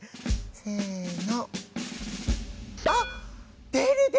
せの。